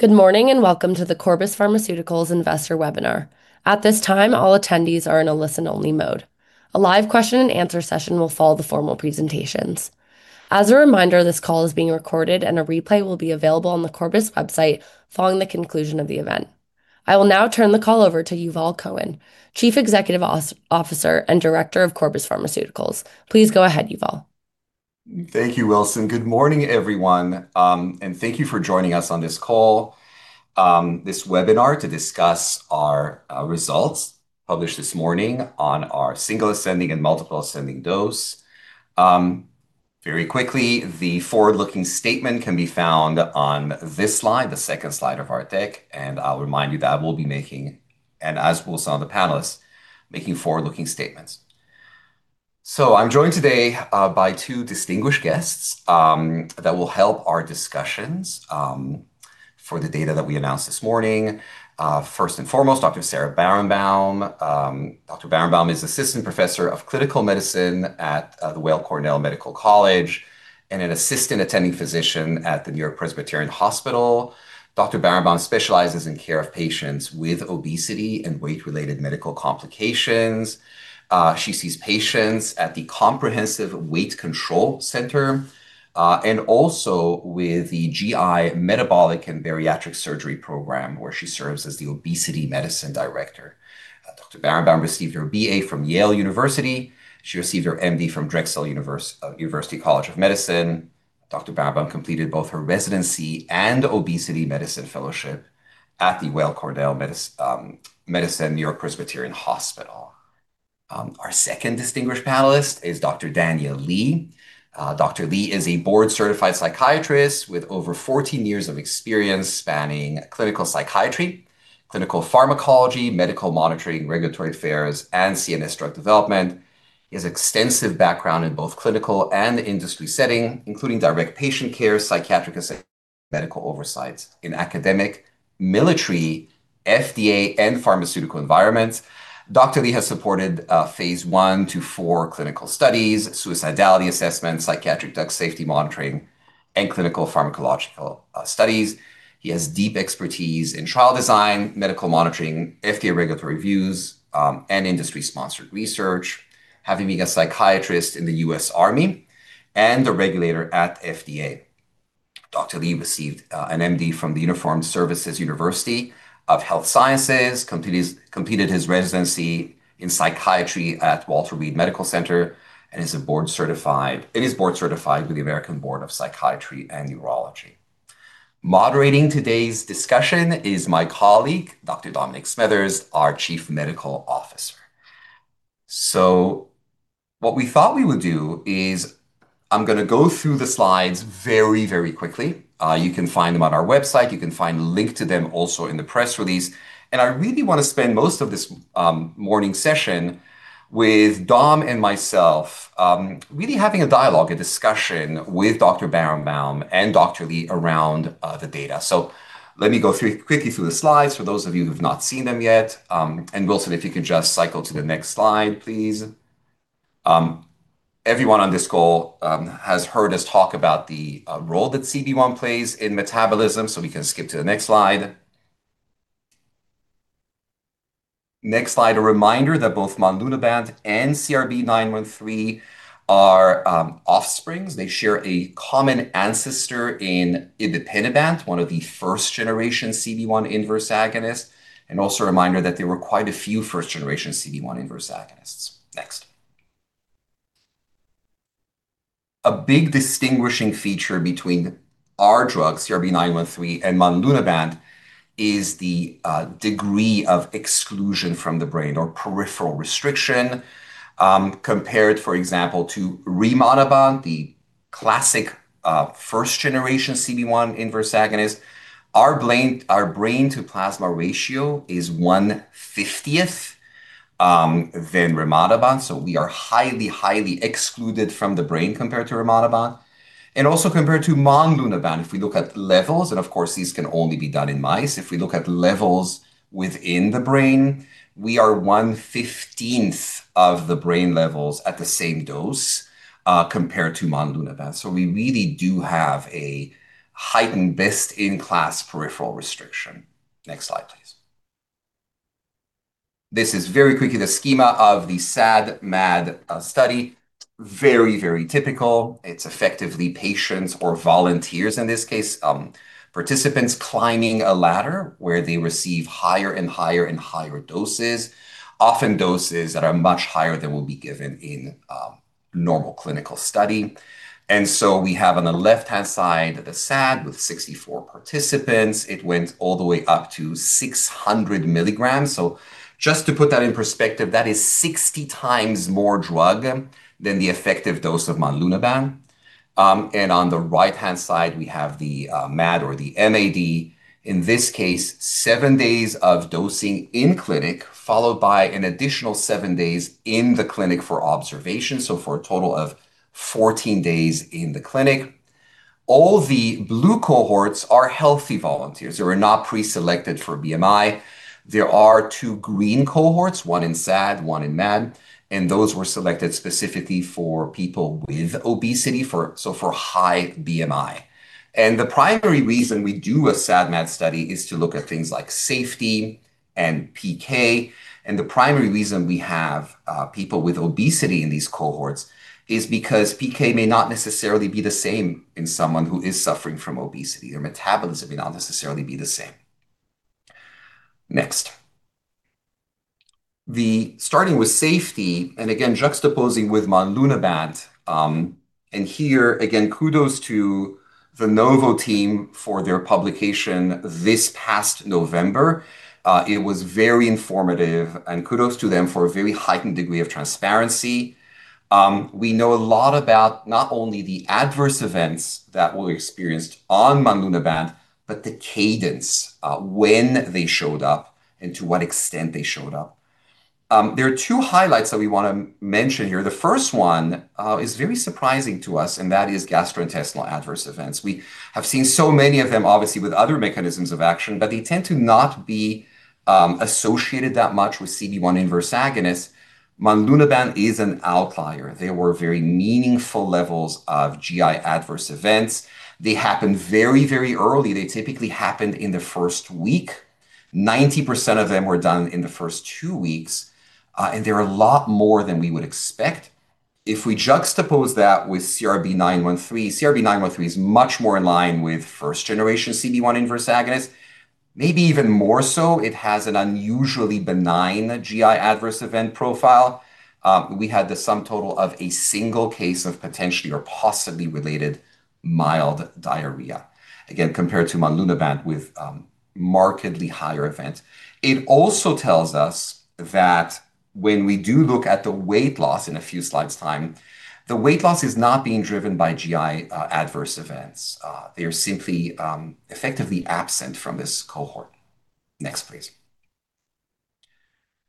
Good morning and welcome to the Corbus Pharmaceuticals Investor Webinar. At this time, all attendees are in a listen-only mode. A live question-and-answer session will follow the formal presentations. As a reminder, this call is being recorded, and a replay will be available on the Corbus website following the conclusion of the event. I will now turn the call over to Yuval Cohen, Chief Executive Officer and Director of Corbus Pharmaceuticals. Please go ahead, Yuval. Thank you, Wilson. Good morning, everyone, and thank you for joining us on this call, this webinar to discuss our results published this morning on our single ascending and multiple ascending dose. Very quickly, the forward-looking statement can be found on this slide, the second slide of our deck, and I'll remind you that we'll be making, and as will some of the panelists, making forward-looking statements. So I'm joined today by two distinguished guests that will help our discussions for the data that we announced this morning. First and foremost, Dr. Sarah Barenbaum. Dr. Barenbaum is Assistant Professor of Clinical Medicine at the Weill Cornell Medical College and an Assistant Attending Physician at the New York-Presbyterian Hospital. Dr. Barenbaum specializes in care of patients with obesity and weight-related medical complications. She sees patients at the Comprehensive Weight Control Center and also with the GI Metabolic and Bariatric Surgery Program, where she serves as the Obesity Medicine Director. Dr. Barenbaum received her BA from Yale University. She received her MD from Drexel University College of Medicine. Dr. Barenbaum completed both her residency and obesity medicine fellowship at the Weill Cornell Medicine New York-Presbyterian Hospital. Our second distinguished panelist is Dr. Daniel Lee. Dr. Lee is a board-certified psychiatrist with over 14 years of experience spanning clinical psychiatry, clinical pharmacology, medical monitoring, regulatory affairs, and CNS drug development. He has extensive background in both clinical and industry setting, including direct patient care, psychiatric, and medical oversight in academic, military, FDA, and pharmaceutical environments. Dr. Lee has supported phase I to IV clinical studies, suicidality assessment, psychiatric drug safety monitoring, and clinical pharmacological studies. He has deep expertise in trial design, medical monitoring, FDA regulatory reviews, and industry-sponsored research, having been a psychiatrist in the U.S. Army and a regulator at FDA. Dr. Lee received an MD from the Uniformed Services University of the Health Sciences, completed his residency in psychiatry at Walter Reed National Military Medical Center, and is board-certified with the American Board of Psychiatry and Neurology. Moderating today's discussion is my colleague, Dr. Dominic Smethurst, our Chief Medical Officer. So what we thought we would do is I'm going to go through the slides very, very quickly. You can find them on our website. You can find a link to them also in the press release. And I really want to spend most of this morning session with Dom and myself, really having a dialogue, a discussion with Dr. Barenbaum and Dr. Lee around the data. So let me go quickly through the slides for those of you who have not seen them yet. And Wilson, if you can just cycle to the next slide, please. Everyone on this call has heard us talk about the role that CB1 plays in metabolism, so we can skip to the next slide. Next slide, a reminder that both monlunabant and CRB-913 are offspring. They share a common ancestor in Ibipinabant, one of the first-generation CB1 inverse agonists, and also a reminder that there were quite a few first-generation CB1 inverse agonists. Next. A big distinguishing feature between our drug, CRB-913, and monlunabant is the degree of exclusion from the brain or peripheral restriction compared, for example, to rimonabant, the classic first-generation CB1 inverse agonist. Our brain-to-plasma ratio is 1/50 than Rimonabant, so we are highly, highly excluded from the brain compared to Rimonabant. And also compared to monlunabant, if we look at levels, and of course, these can only be done in mice, if we look at levels within the brain, we are 1/15 of the brain levels at the same dose compared to monlunabant. So we really do have a heightened best-in-class peripheral restriction. Next slide, please. This is very quickly the schema of the SAD-MAD study. Very, very typical. It's effectively patients or volunteers, in this case, participants climbing a ladder where they receive higher and higher and higher doses, often doses that are much higher than will be given in normal clinical study. And so we have on the left-hand side the SAD with 64 participants. It went all the way up to 600 mg. So just to put that in perspective, that is 60 times more drug than the effective dose of monlunabant. On the right-hand side, we have the MAD or the MAD, in this case, seven days of dosing in clinic, followed by an additional seven days in the clinic for observation, so for a total of 14 days in the clinic. All the blue cohorts are healthy volunteers. They were not pre-selected for BMI. There are two green cohorts, one in SAD, one in MAD, and those were selected specifically for people with obesity, so for high BMI. The primary reason we do a SAD-MAD study is to look at things like safety and PK. The primary reason we have people with obesity in these cohorts is because PK may not necessarily be the same in someone who is suffering from obesity. Their metabolism may not necessarily be the same. Next. Starting with safety, and again, juxtaposing with monlunabant. And here, again, kudos to the Novo team for their publication this past November. It was very informative, and kudos to them for a very heightened degree of transparency. We know a lot about not only the adverse events that were experienced on monlunabant, but the cadence when they showed up and to what extent they showed up. There are two highlights that we want to mention here. The first one is very surprising to us, and that is gastrointestinal adverse events. We have seen so many of them, obviously, with other mechanisms of action, but they tend to not be associated that much with CB1 inverse agonists. monlunabant is an outlier. There were very meaningful levels of GI adverse events. They happened very, very early. They typically happened in the first week. 90% of them were done in the first two weeks, and there are a lot more than we would expect. If we juxtapose that with CRB-913, CRB-913 is much more in line with first-generation CB1 inverse agonists, maybe even more so. It has an unusually benign GI adverse event profile. We had the sum total of a single case of potentially or possibly related mild diarrhea, again, compared to monlunabant with markedly higher events. It also tells us that when we do look at the weight loss in a few slides' time, the weight loss is not being driven by GI adverse events. They are simply effectively absent from this cohort. Next, please.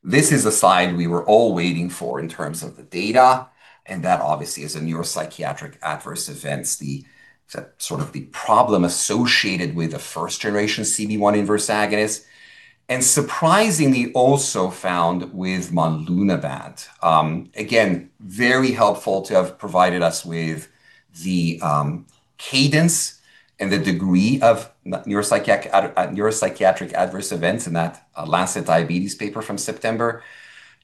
This is a slide we were all waiting for in terms of the data, and that obviously is a neuropsychiatric adverse event, sort of the problem associated with the first-generation CB1 inverse agonist. Surprisingly, also found with monlunabant. Again, very helpful to have provided us with the cadence and the degree of neuropsychiatric adverse events in that Lancet Diabetes paper from September.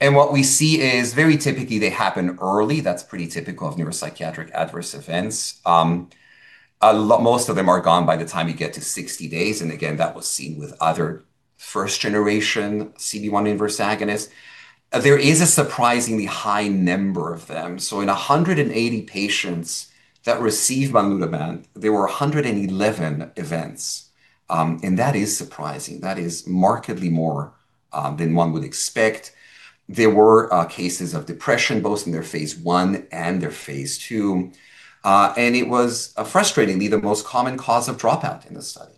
What we see is very typically they happen early. That's pretty typical of neuropsychiatric adverse events. Most of them are gone by the time you get to 60 days. Again, that was seen with other first-generation CB1 inverse agonists. There is a surprisingly high number of them. In 180 patients that received monlunabant, there were 111 events. That is surprising. That is markedly more than one would expect. There were cases of depression, both in their phase I and their phase II. It was, frustratingly, the most common cause of dropout in the study.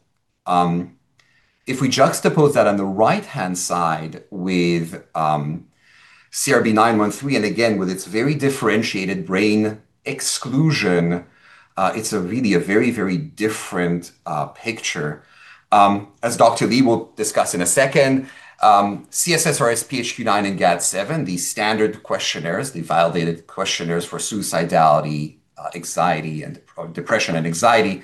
If we juxtapose that on the right-hand side with CRB-913, and again, with its very differentiated brain exclusion, it's really a very, very different picture. As Dr. Lee will discuss in a second, C-SSRS, PHQ-9, and GAD-7, the standard questionnaires, the validated questionnaires for suicidality, anxiety, and depression and anxiety,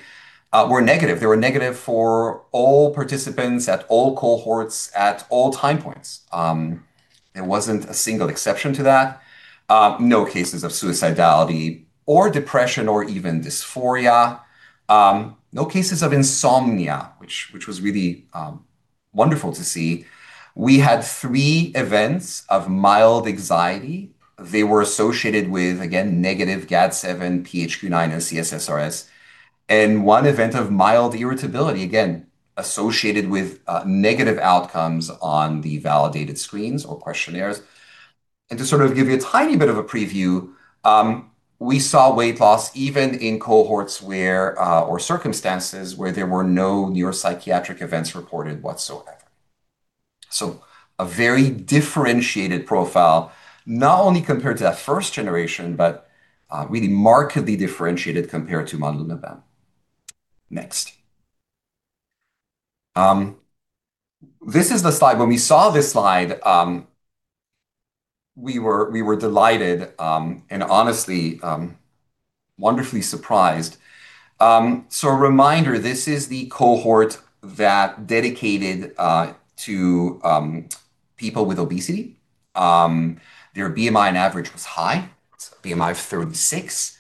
were negative. They were negative for all participants at all cohorts at all time points. There wasn't a single exception to that. No cases of suicidality or depression or even dysphoria. No cases of insomnia, which was really wonderful to see. We had three events of mild anxiety. They were associated with, again, negative GAD-7, PHQ-9, and C-SSRS, and one event of mild irritability, again, associated with negative outcomes on the validated screens or questionnaires. And to sort of give you a tiny bit of a preview, we saw weight loss even in cohorts or circumstances where there were no neuropsychiatric events reported whatsoever. So a very differentiated profile, not only compared to that first generation, but really markedly differentiated compared to monlunabant. Next. This is the slide. When we saw this slide, we were delighted and honestly wonderfully surprised. So a reminder, this is the cohort that dedicated to people with obesity. Their BMI on average was high, BMI of 36.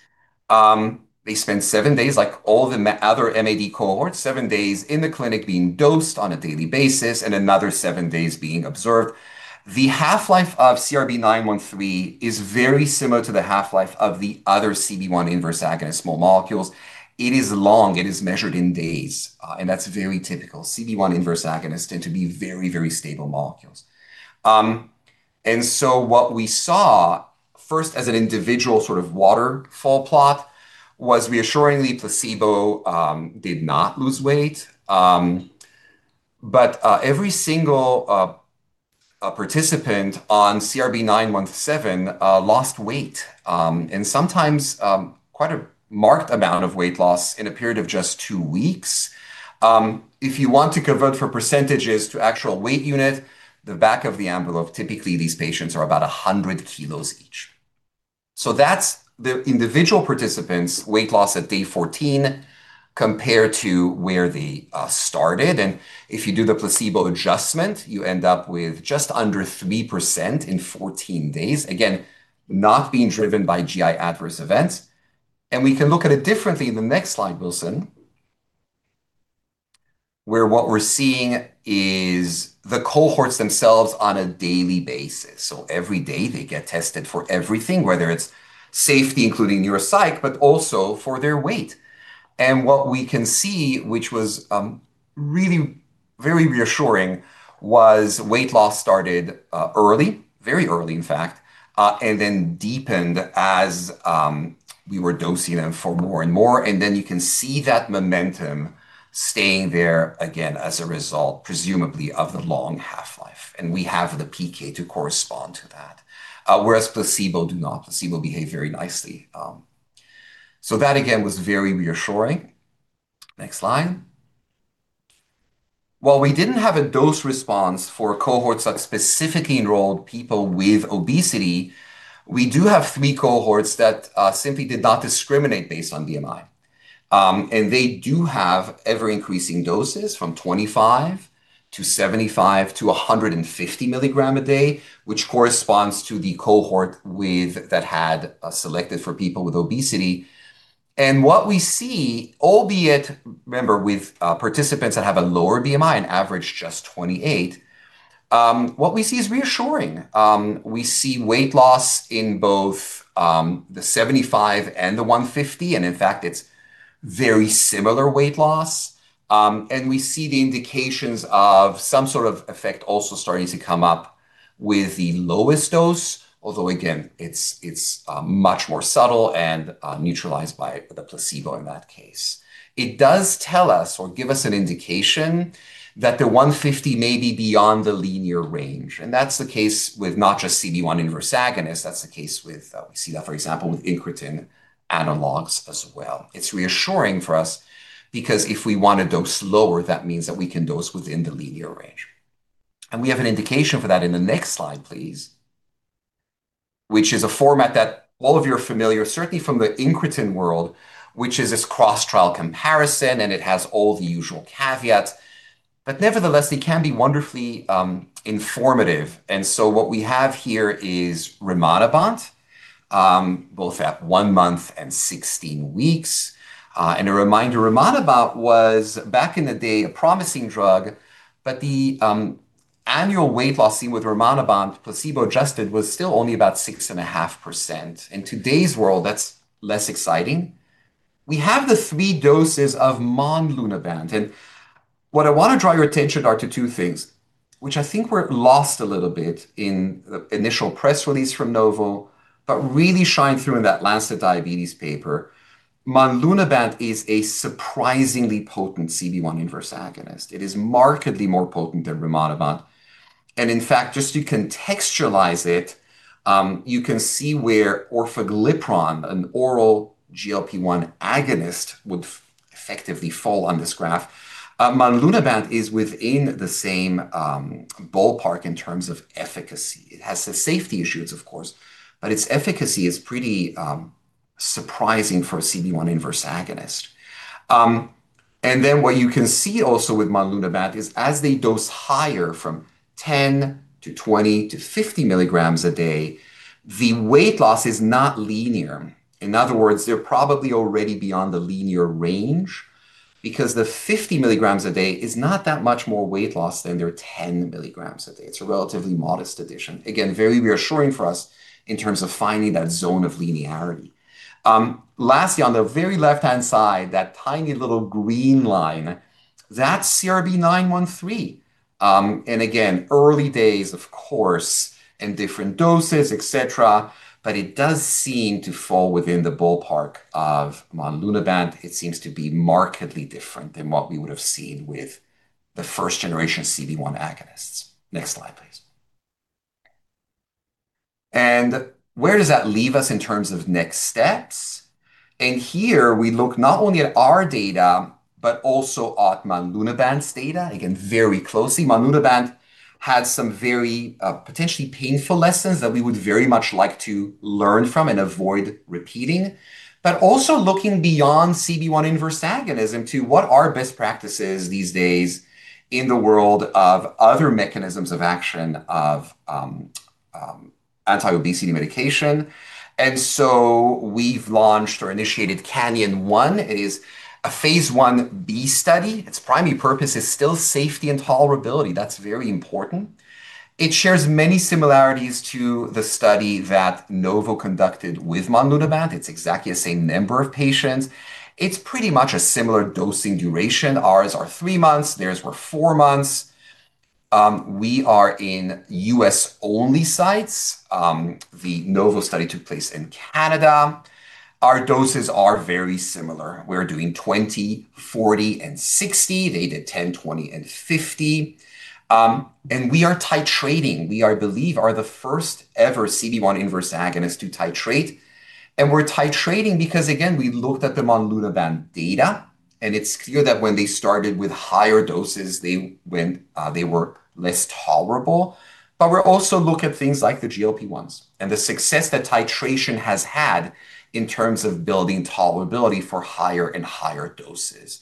They spent seven days, like all the other MAD cohorts, seven days in the clinic being dosed on a daily basis and another seven days being observed. The half-life of CRB-913 is very similar to the half-life of the other CB1 inverse agonist small molecules. It is long. It is measured in days, and that's very typical. CB1 inverse agonists tend to be very, very stable molecules, and so what we saw, first, as an individual sort of waterfall plot, was reassuringly placebo did not lose weight, but every single participant on CRB-917 lost weight, and sometimes quite a marked amount of weight loss in a period of just two weeks. If you want to convert for percentages to actual weight unit, the back of the envelope, typically these patients are about 100 kg each, so that's the individual participants' weight loss at day 14 compared to where they started, and if you do the placebo adjustment, you end up with just under 3% in 14 days, again, not being driven by GI adverse events, and we can look at it differently in the next slide, Wilson, where what we're seeing is the cohorts themselves on a daily basis. So every day they get tested for everything, whether it's safety, including neuropsych, but also for their weight. And what we can see, which was really very reassuring, was weight loss started early, very early, in fact, and then deepened as we were dosing them for more and more. And then you can see that momentum staying there again as a result, presumably, of the long half-life. And we have the PK to correspond to that, whereas placebo do not. Placebo behaved very nicely. So that, again, was very reassuring. Next slide. While we didn't have a dose response for cohorts that specifically enrolled people with obesity, we do have three cohorts that simply did not discriminate based on BMI. And they do have ever-increasing doses from 25 mg to 75 mg to 150 mg a day, which corresponds to the cohort that had selected for people with obesity. And what we see, albeit, remember, with participants that have a lower BMI and average just 28, what we see is reassuring. We see weight loss in both the 75 mg and the 150 mg, and in fact, it's very similar weight loss. And we see the indications of some sort of effect also starting to come up with the lowest dose, although, again, it's much more subtle and neutralized by the placebo in that case. It does tell us or give us an indication that the 150 may be beyond the linear range. And that's the case with not just CB1 inverse agonists. That's the case with we see that, for example, with incretin analogs as well. It's reassuring for us because if we want to dose lower, that means that we can dose within the linear range. We have an indication for that in the next slide, please, which is a format that all of you are familiar, certainly from the incretin world, which is this cross-trial comparison, and it has all the usual caveats. Nevertheless, it can be wonderfully informative. What we have here is Rimonabant, both at one month and 16 weeks. A reminder, Rimonabant was back in the day a promising drug, but the annual weight loss seen with Rimonabant placebo-adjusted was still only about 6.5%. In today's world, that's less exciting. We have the three doses of monlunabant. What I want to draw your attention to are two things, which I think were lost a little bit in the initial press release from Novo, but really shined through in that Lancet Diabetes paper. monlunabant is a surprisingly potent CB1 inverse agonist. It is markedly more potent than Rimonabant. And in fact, just to contextualize it, you can see where Orforglipron, an oral GLP-1 agonist, would effectively fall on this graph. Monlunabant is within the same ballpark in terms of efficacy. It has the safety issues, of course, but its efficacy is pretty surprising for a CB1 inverse agonist. And then what you can see also with monlunabant is as they dose higher from 10 mg to 20 mg to 50 mg a day, the weight loss is not linear. In other words, they're probably already beyond the linear range because the 50 mg a day is not that much more weight loss than their 10 mg a day. It's a relatively modest addition. Again, very reassuring for us in terms of finding that zone of linearity. Lastly, on the very left-hand side, that tiny little green line, that's CRB-913. And again, early days, of course, and different doses, et cetera, et cetera, but it does seem to fall within the ballpark of monlunabant. It seems to be markedly different than what we would have seen with the first-generation CB1 agonists. Next slide, please. And where does that leave us in terms of next steps? And here we look not only at our data, but also at monlunabant's data, again, very closely. Monlunabant had some very potentially painful lessons that we would very much like to learn from and avoid repeating, but also looking beyond CB1 inverse agonism to what are best practices these days in the world of other mechanisms of action of anti-obesity medication. And so we've launched or initiated CANYON-1. It is a phase I-B study. Its primary purpose is still safety and tolerability. That's very important. It shares many similarities to the study that Novo conducted with monlunabant. It's exactly the same number of patients. It's pretty much a similar dosing duration. Ours are three months. Theirs were four months. We are in U.S.-only sites. The Novo study took place in Canada. Our doses are very similar. We're doing 20 mg, 40 mg, and 60 mg. They did 10 mg, 20 mg, and 50 mg, and we are titrating. We are, I believe, the first-ever CB1 inverse agonist to titrate, and we're titrating because, again, we looked at the monlunabant data, and it's clear that when they started with higher doses, they were less tolerable, but we're also looking at things like the GLP-1s and the success that titration has had in terms of building tolerability for higher and higher doses.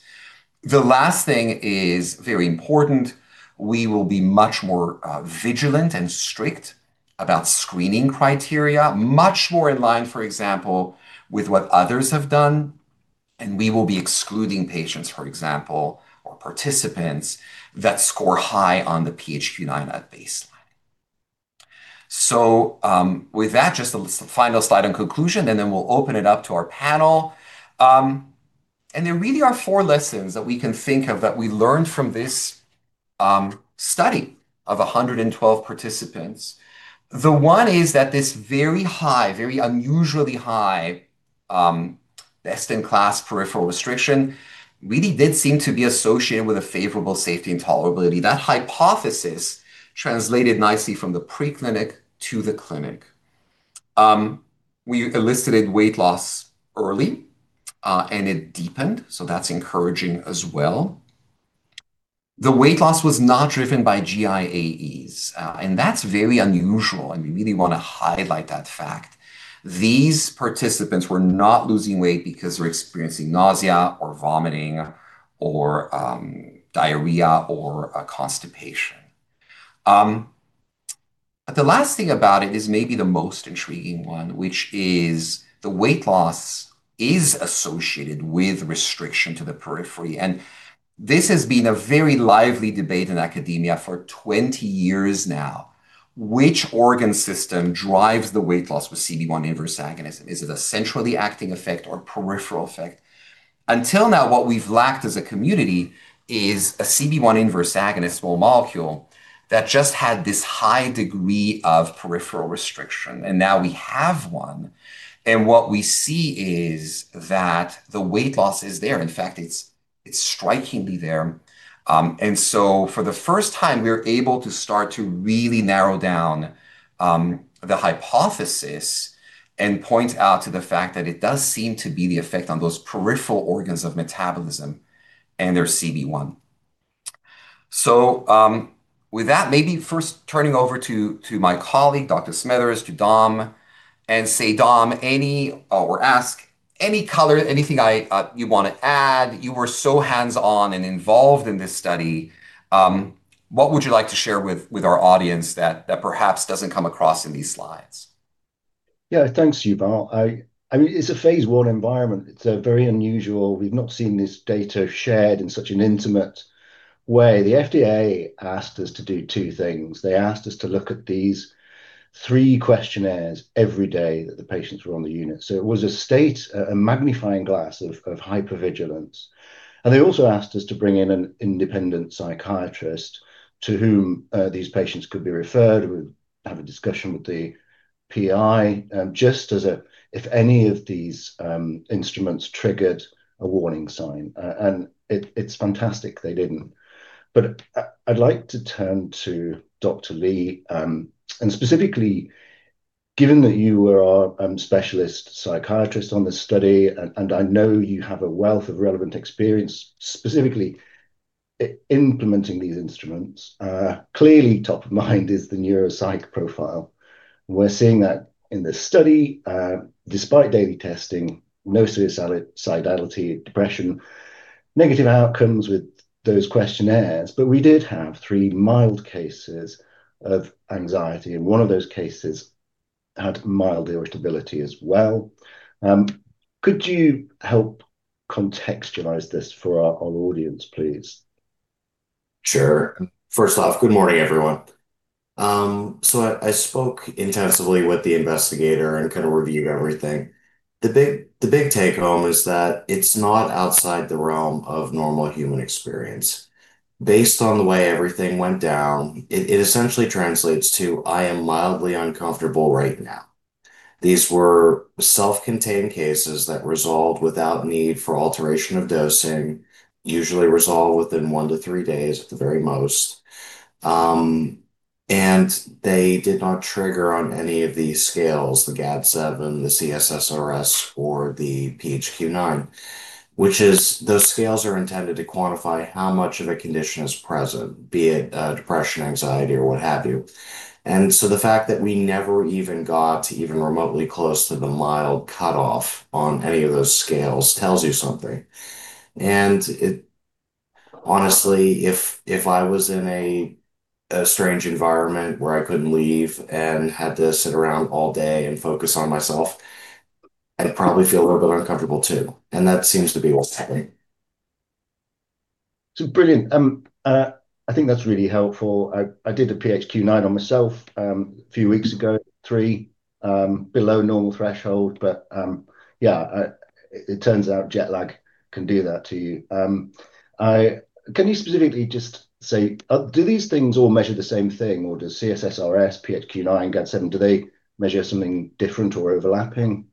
The last thing is very important. We will be much more vigilant and strict about screening criteria, much more in line, for example, with what others have done, and we will be excluding patients, for example, or participants that score high on the PHQ-9 at baseline, so with that, just the final slide in conclusion, and then we'll open it up to our panel, and there really are four lessons that we can think of that we learned from this study of 112 participants. The one is that this very high, very unusually high best-in-class peripheral restriction really did seem to be associated with a favorable safety and tolerability. That hypothesis translated nicely from the preclinical to the clinic. We elicited weight loss early, and it deepened. So that's encouraging as well. The weight loss was not driven by GIAEs, and that's very unusual. And we really want to highlight that fact. These participants were not losing weight because they're experiencing nausea or vomiting or diarrhea or constipation. The last thing about it is maybe the most intriguing one, which is the weight loss is associated with restriction to the periphery. And this has been a very lively debate in academia for 20 years now. Which organ system drives the weight loss with CB1 inverse agonism? Is it a centrally acting effect or peripheral effect? Until now, what we've lacked as a community is a CB1 inverse agonist small molecule that just had this high degree of peripheral restriction. And now we have one. And what we see is that the weight loss is there. In fact, it's strikingly there. And so for the first time, we're able to start to really narrow down the hypothesis and point out to the fact that it does seem to be the effect on those peripheral organs of metabolism and their CB1. So with that, maybe first turning over to my colleague, Dr. Smethurst, to Dom and say, Dom, or ask, any color, anything you want to add? You were so hands-on and involved in this study. What would you like to share with our audience that perhaps doesn't come across in these slides? Yeah, thanks, Yuval. I mean, it's a phase I environment. It's very unusual. We've not seen this data shared in such an intimate way. The FDA asked us to do two things. They asked us to look at these three questionnaires every day that the patients were on the unit. So it was a magnifying glass of hypervigilance. They also asked us to bring in an independent psychiatrist to whom these patients could be referred. We'd have a discussion with the PI just as if any of these instruments triggered a warning sign. It's fantastic they didn't. I'd like to turn to Dr. Lee. Specifically, given that you were our specialist psychiatrist on this study, and I know you have a wealth of relevant experience specifically implementing these instruments, clearly top of mind is the neuropsych profile. We're seeing that in this study. Despite daily testing, no suicidality or depression, negative outcomes with those questionnaires. We did have three mild cases of anxiety. One of those cases had mild irritability as well. Could you help contextualize this for our audience, please? Sure. First off, good morning, everyone. I spoke intensively with the investigator and kind of reviewed everything. The big take home is that it's not outside the realm of normal human experience. Based on the way everything went down, it essentially translates to, "I am mildly uncomfortable right now." These were self-contained cases that resolved without need for alteration of dosing, usually resolved within one to three days at the very most, and they did not trigger on any of these scales, the GAD-7, the C-SSRS, or the PHQ-9, which is those scales are intended to quantify how much of a condition is present, be it depression, anxiety, or what have you, and so the fact that we never even got even remotely close to the mild cutoff on any of those scales tells you something. Honestly, if I was in a strange environment where I couldn't leave and had to sit around all day and focus on myself, I'd probably feel a little bit uncomfortable too. And that seems to be all saying. So brilliant. I think that's really helpful. I did a PHQ-9 on myself a few weeks ago, three below normal threshold. But yeah, it turns out jet lag can do that to you. Can you specifically just say, do these things all measure the same thing? Or does C-SSRS, PHQ-9, GAD-7, do they measure something different or overlapping?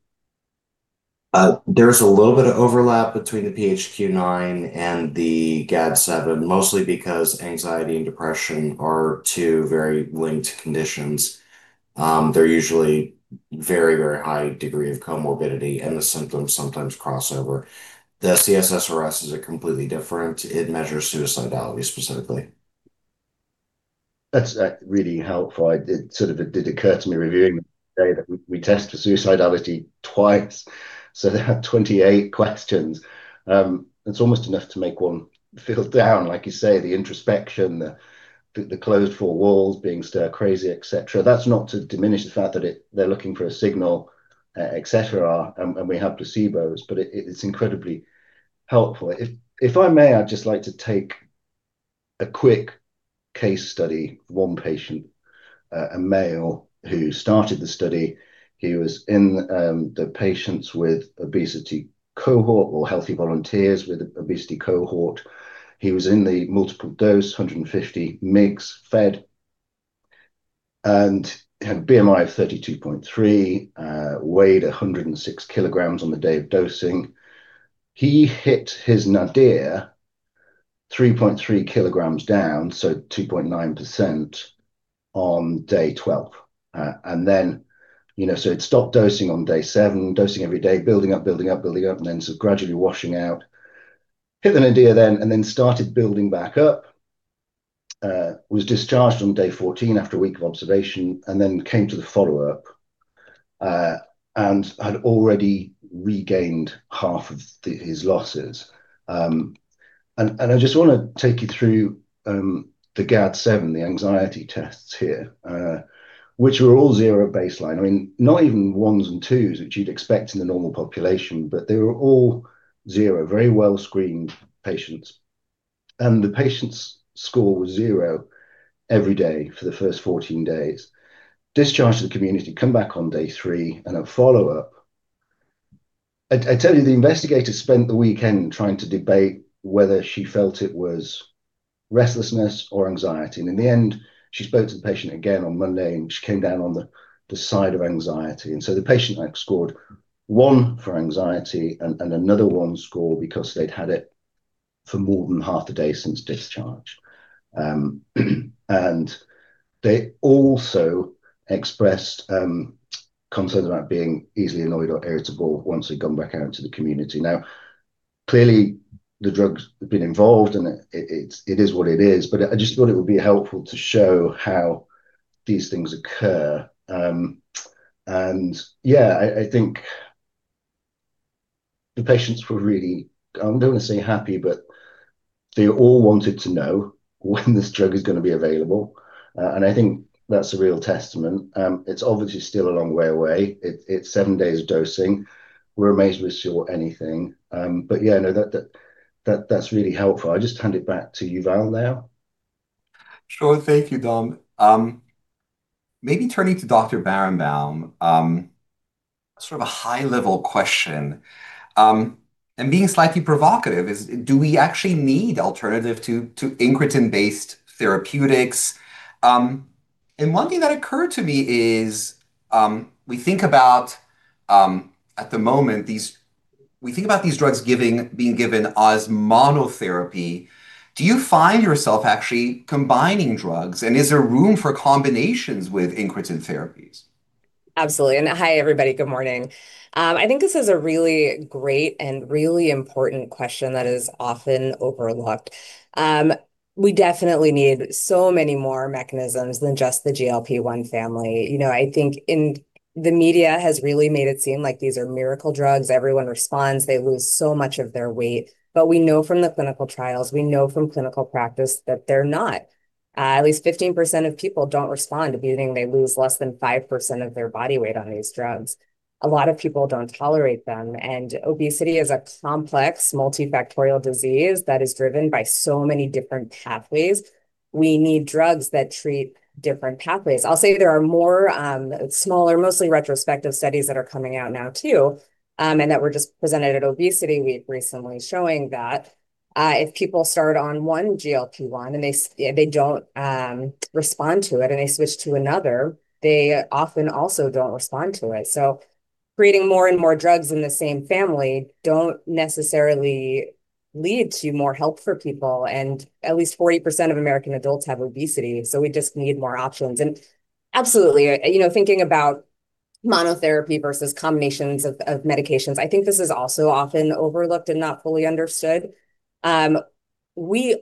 There's a little bit of overlap between the PHQ-9 and the GAD-7, mostly because anxiety and depression are two very linked conditions. They're usually very, very high degree of comorbidity, and the symptoms sometimes crossover. The C-SSRS is completely different. It measures suicidality specifically. That's really helpful. It sort of did occur to me reviewing the study that we test for suicidality twice. So they have 28 questions. It's almost enough to make one feel down, like you say, the introspection, the closed four walls being stir crazy, et cetera. That's not to diminish the fact that they're looking for a signal, et cetera, and we have placebos, but it's incredibly helpful. If I may, I'd just like to take a quick case study, one patient, a male who started the study. He was in the patients with obesity cohort or healthy volunteers with obesity cohort. He was in the multiple dose, 150 mg fed, and had a BMI of 32.3, weighed 106 kg on the day of dosing. He hit his nadir 3.3 kg down, so 2.9% on day 12. Then so he'd stopped dosing on day seven, dosing every day, building up, building up, building up, and then sort of gradually washing out, hit the nadir then, and then started building back up, was discharged on day fourteen after a week of observation, and then came to the follow-up and had already regained half of his losses. I just want to take you through the GAD-7, the anxiety tests here, which were all zero at baseline. I mean, not even ones and twos, which you'd expect in the normal population, but they were all zero, very well-screened patients. The patient's score was zero every day for the first 14 days, discharged to the community, come back on day three, and a follow-up. I tell you, the investigator spent the weekend trying to debate whether she felt it was restlessness or anxiety. And in the end, she spoke to the patient again on Monday, and she came down on the side of anxiety. And so the patient scored one for anxiety and another one score because they'd had it for more than half a day since discharge. And they also expressed concerns about being easily annoyed or irritable once they'd gone back out into the community. Now, clearly, the drugs have been involved, and it is what it is. But I just thought it would be helpful to show how these things occur. And yeah, I think the patients were really, I don't want to say happy, but they all wanted to know when this drug is going to be available. And I think that's a real testament. It's obviously still a long way away. It's seven days of dosing. We're amazed with sure anything. But yeah, no, that's really helpful. I'll just hand it back to Yuval now. Sure. Thank you, Dom. Maybe turning to Dr. Barenbaum, sort of a high-level question and being slightly provocative, is do we actually need alternative to incretin-based therapeutics, and one thing that occurred to me is we think about, at the moment, we think about these drugs being given as monotherapy. Do you find yourself actually combining drugs? And is there room for combinations with incretin therapies? Absolutely, and hi, everybody. Good morning. I think this is a really great and really important question that is often overlooked. We definitely need so many more mechanisms than just the GLP-1 family. I think the media has really made it seem like these are miracle drugs. Everyone responds. They lose so much of their weight, but we know from the clinical trials, we know from clinical practice that they're not. At least 15% of people don't respond to GLP-1s. They lose less than 5% of their body weight on these drugs. A lot of people don't tolerate them, and obesity is a complex multifactorial disease that is driven by so many different pathways. We need drugs that treat different pathways. I'll say there are more smaller, mostly retrospective studies that are coming out now too, and that were just presented at obesity week recently showing that if people start on one GLP-1 and they don't respond to it and they switch to another, they often also don't respond to it, so creating more and more drugs in the same family don't necessarily lead to more help for people, and at least 40% of American adults have obesity. We just need more options. And absolutely, thinking about monotherapy versus combinations of medications, I think this is also often overlooked and not fully understood. We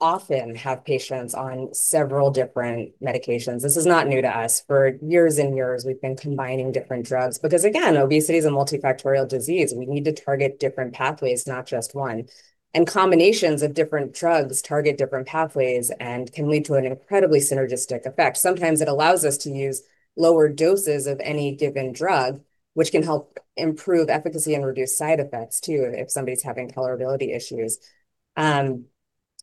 often have patients on several different medications. This is not new to us. For years and years, we've been combining different drugs because, again, obesity is a multifactorial disease. We need to target different pathways, not just one. And combinations of different drugs target different pathways and can lead to an incredibly synergistic effect. Sometimes it allows us to use lower doses of any given drug, which can help improve efficacy and reduce side effects too if somebody's having tolerability issues.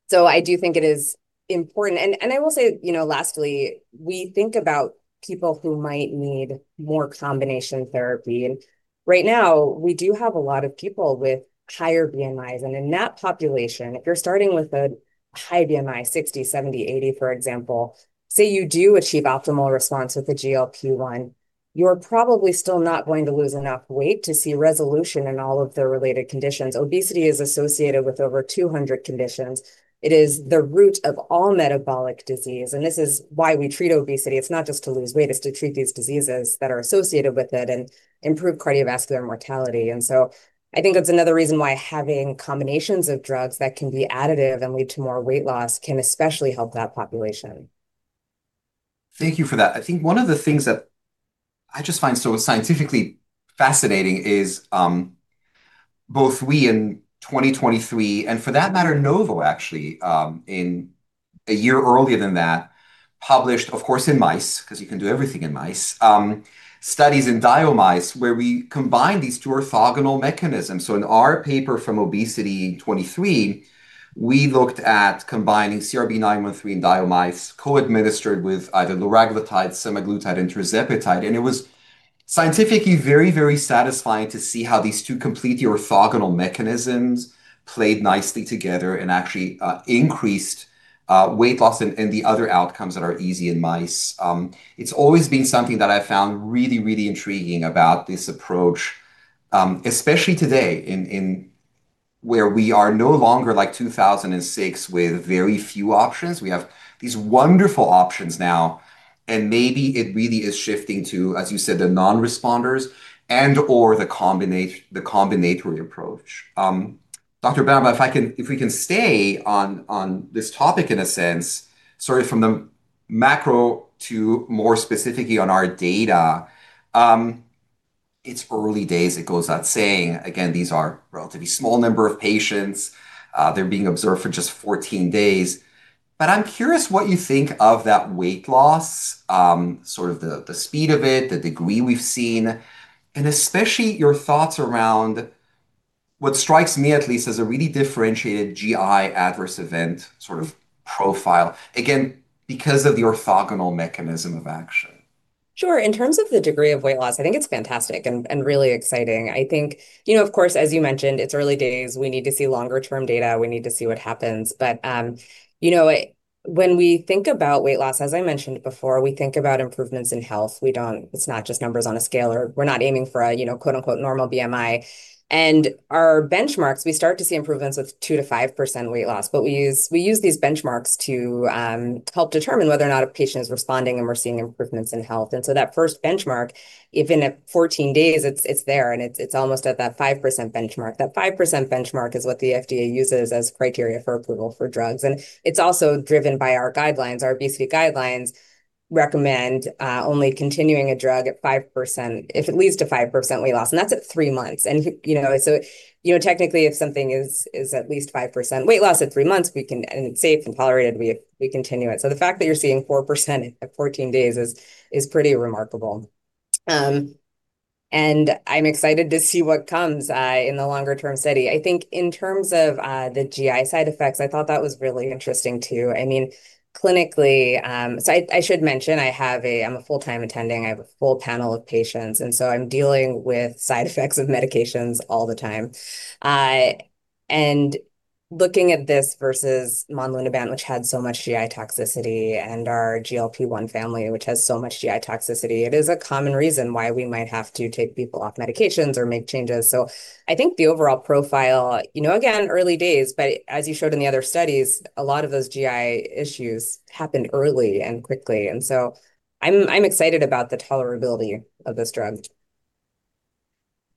So I do think it is important. And I will say, lastly, we think about people who might need more combination therapy. And right now, we do have a lot of people with higher BMIs. And in that population, if you're starting with a high BMI, 60, 70, 80, for example, say you do achieve optimal response with the GLP-1, you're probably still not going to lose enough weight to see resolution in all of the related conditions. Obesity is associated with over 200 conditions. It is the root of all metabolic disease. And this is why we treat obesity. It's not just to lose weight. It's to treat these diseases that are associated with it and improve cardiovascular mortality. And so I think that's another reason why having combinations of drugs that can be additive and lead to more weight loss can especially help that population. Thank you for that. I think one of the things that I just find so scientifically fascinating is both we in 2023, and for that matter, Novo actually in a year earlier than that, published, of course, in mice because you can do everything in mice, studies in DIO mice where we combine these two orthogonal mechanisms. So in our paper from Obesity 2023, we looked at combining CRB-913 in DIO mice co-administered with either liraglutide, semaglutide, and tirzepatide. And it was scientifically very, very satisfying to see how these two completely orthogonal mechanisms played nicely together and actually increased weight loss and the other outcomes that are easy in mice. It's always been something that I've found really, really intriguing about this approach, especially today where we are no longer like 2006 with very few options. We have these wonderful options now. And maybe it really is shifting to, as you said, the non-responders and/or the combinatory approach. Dr. Barenbaum, if we can stay on this topic in a sense, sort of from the macro to more specifically on our data, it's early days, it goes without saying. Again, these are a relatively small number of patients. They're being observed for just 14 days. But I'm curious what you think of that weight loss, sort of the speed of it, the degree we've seen, and especially your thoughts around what strikes me at least as a really differentiated GI adverse event sort of profile, again, because of the orthogonal mechanism of action. Sure. In terms of the degree of weight loss, I think it's fantastic and really exciting. I think, of course, as you mentioned, it's early days. We need to see longer-term data. We need to see what happens. But when we think about weight loss, as I mentioned before, we think about improvements in health. It's not just numbers on a scale, or we're not aiming for a "normal BMI." And our benchmarks, we start to see improvements with 2%-5% weight loss. But we use these benchmarks to help determine whether or not a patient is responding and we're seeing improvements in health. And so that first benchmark, even at 14 days, it's there, and it's almost at that 5% benchmark. That 5% benchmark is what the FDA uses as criteria for approval for drugs. And it's also driven by our guidelines. Our obesity guidelines recommend only continuing a drug at 5% if it leads to 5% weight loss. And that's at three months. And so technically, if something is at least 5% weight loss at three months, and it's safe and tolerated, we continue it. The fact that you're seeing 4% at 14 days is pretty remarkable. I'm excited to see what comes in the longer-term study. I think in terms of the GI side effects, I thought that was really interesting too. I mean, clinically, so I should mention I'm a full-time attending. I have a full panel of patients. I'm dealing with side effects of medications all the time. Looking at this versus monlunabant, which had so much GI toxicity, and our GLP-1 family, which has so much GI toxicity, it is a common reason why we might have to take people off medications or make changes. I think the overall profile, again, early days, but as you showed in the other studies, a lot of those GI issues happened early and quickly. I'm excited about the tolerability of this drug.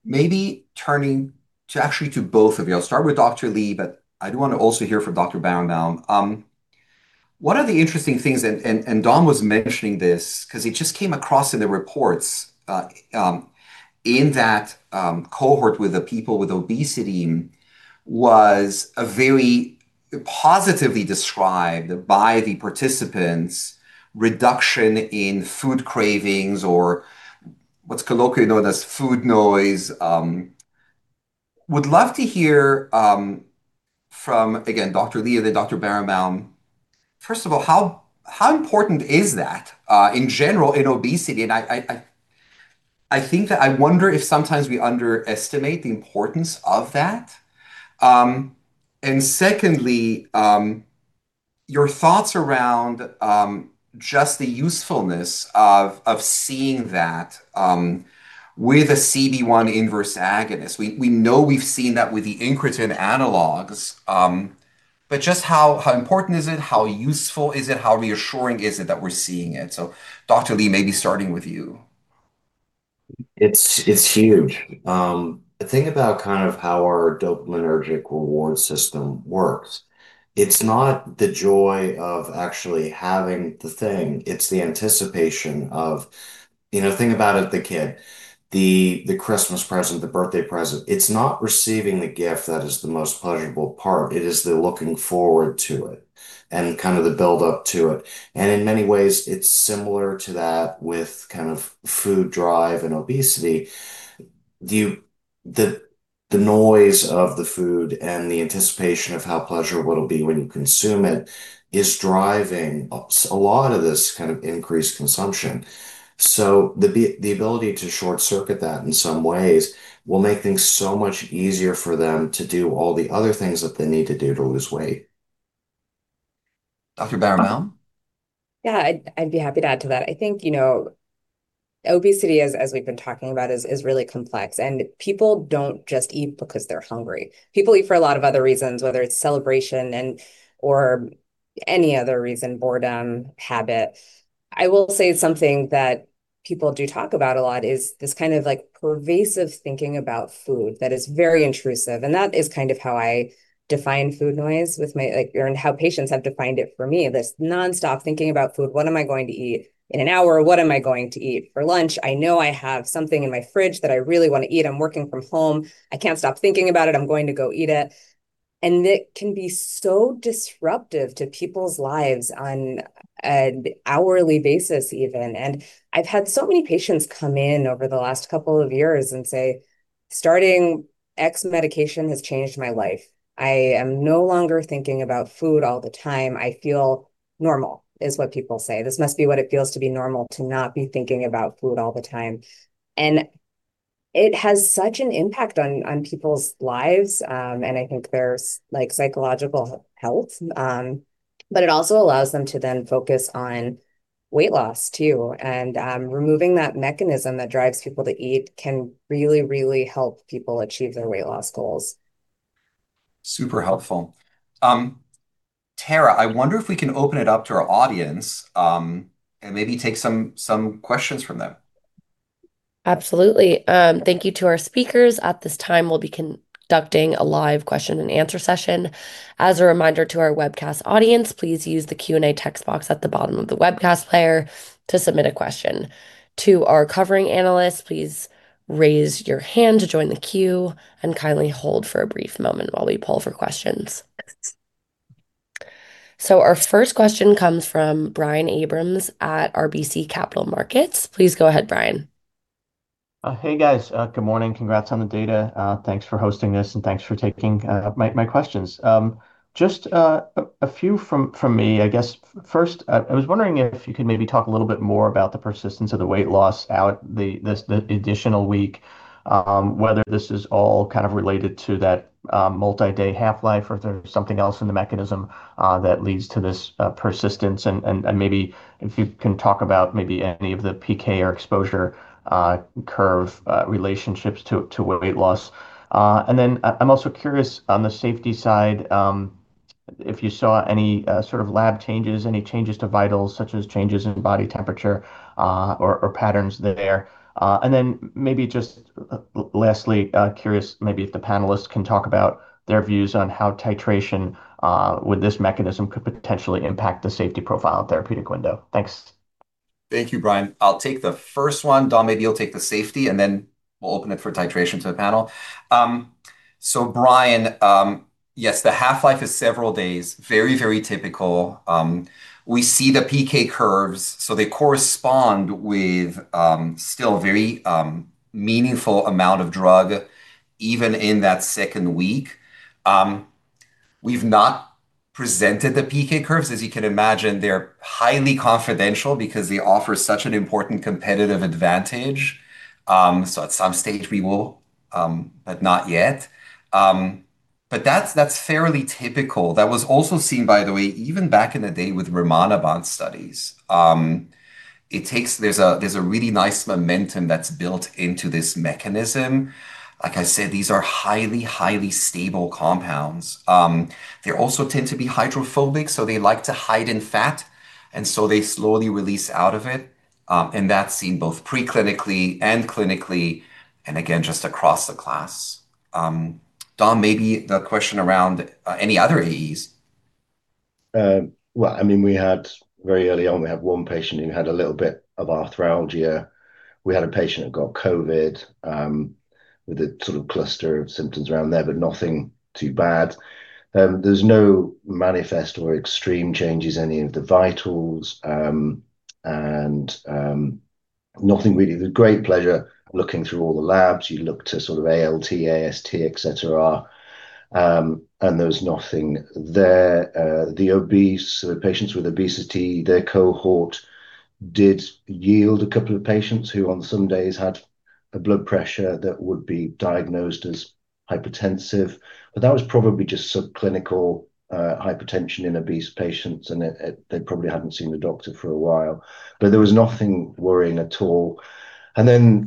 Maybe turning to actually both of you. I'll start with Dr. Lee, but I do want to also hear from Dr. Barenbaum. One of the interesting things, and Dom was mentioning this because it just came across in the reports, in that cohort with the people with obesity, was a very positively described by the participants' reduction in food cravings or what's colloquially known as food noise. Would love to hear from, again, Dr. Lee and then Dr. Barenbaum, first of all, how important is that in general in obesity? And I think that I wonder if sometimes we underestimate the importance of that. And secondly, your thoughts around just the usefulness of seeing that with a CB1 inverse agonist. We know we've seen that with the incretin analogs, but just how important is it? How useful is it? How reassuring is it that we're seeing it? So Dr. Lee, maybe starting with you. It's huge. The thing about kind of how our dopaminergic reward system works, it's not the joy of actually having the thing. It's the anticipation. Think about it with a kid, the Christmas present, the birthday present. It's not receiving the gift that is the most pleasurable part. It is the looking forward to it and kind of the build-up to it. And in many ways, it's similar to that with kind of food drive and obesity. The noise of the food and the anticipation of how pleasurable it'll be when you consume it is driving a lot of this kind of increased consumption. So the ability to short-circuit that in some ways will make things so much easier for them to do all the other things that they need to do to lose weight. Dr. Barenbaum? Yeah, I'd be happy to add to that. I think obesity, as we've been talking about, is really complex. And people don't just eat because they're hungry. People eat for a lot of other reasons, whether it's celebration or any other reason, boredom, habit. I will say something that people do talk about a lot is this kind of pervasive thinking about food that is very intrusive. And that is kind of how I define food noise and how patients have defined it for me. This nonstop thinking about food. What am I going to eat in an hour? What am I going to eat for lunch? I know I have something in my fridge that I really want to eat. I'm working from home. I can't stop thinking about it. I'm going to go eat it. And it can be so disruptive to people's lives on an hourly basis even. And I've had so many patients come in over the last couple of years and say, "Starting X medication has changed my life. I am no longer thinking about food all the time. I feel normal," is what people say. This must be what it feels to be normal to not be thinking about food all the time. And it has such an impact on people's lives, and I think their psychological health. But it also allows them to then focus on weight loss too. And removing that mechanism that drives people to eat can really, really help people achieve their weight loss goals. Super helpful. Tara, I wonder if we can open it up to our audience and maybe take some questions from them. Absolutely. Thank you to our speakers. At this time, we'll be conducting a live question-and-answer session. As a reminder to our webcast audience, please use the Q&A text box at the bottom of the webcast player to submit a question. To our covering analysts, please raise your hand to join the queue and kindly hold for a brief moment while we pull for questions. Our first question comes from Brian Abrahams at RBC Capital Markets. Please go ahead, Brian. Hey, guys. Good morning. Congrats on the data. Thanks for hosting this and thanks for taking my questions. Just a few from me, I guess. First, I was wondering if you could maybe talk a little bit more about the persistence of the weight loss out the additional week, whether this is all kind of related to that multi-day half-life or if there's something else in the mechanism that leads to this persistence. Maybe if you can talk about maybe any of the PK or exposure curve relationships to weight loss. I'm also curious on the safety side if you saw any sort of lab changes, any changes to vitals such as changes in body temperature or patterns there. Maybe just lastly, curious maybe if the panelists can talk about their views on how titration with this mechanism could potentially impact the safety profile therapeutic window. Thanks. Thank you, Brian. I'll take the first one. Dom, maybe you'll take the safety, and then we'll open it for titration to the panel. Brian, yes, the half-life is several days, very, very typical. We see the PK curves, so they correspond with still a very meaningful amount of drug even in that second week. We've not presented the PK curves. As you can imagine, they're highly confidential because they offer such an important competitive advantage, so at some stage, we will, but not yet. That's fairly typical. That was also seen, by the way, even back in the day with Rimonabant studies. There's a really nice momentum that's built into this mechanism. Like I said, these are highly, highly stable compounds. They also tend to be hydrophobic, so they like to hide in fat. And so they slowly release out of it. And that's seen both preclinically and clinically, and again, just across the class. Dom, maybe the question around any other AEs? Well, I mean, we had very early on, we had one patient who had a little bit of arthralgia. We had a patient who got COVID with a sort of cluster of symptoms around there, but nothing too bad. There's no manifest or extreme changes in any of the vitals and nothing really. There's great pleasure looking through all the labs. You look to sort of ALT, AST, etc., and there's nothing there. The obese, the patients with obesity, their cohort did yield a couple of patients who on some days had a blood pressure that would be diagnosed as hypertensive, but that was probably just subclinical hypertension in obese patients, and they probably hadn't seen the doctor for a while, but there was nothing worrying at all, and then